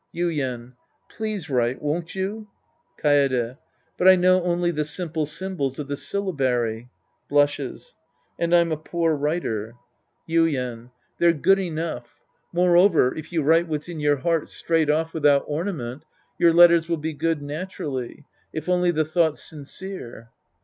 Yuien. Please write, won't you ? Kaede. But I know only the simple symbols of the syllabarj'. {Blushes.) And I'm a poor writer. 138 The Priest and His Disciples Act IV Yiiien. They're good enough. Moreover, if you write what's in your heart straight off without orna ment, your letters will be good naturally. If only the thought's sincere.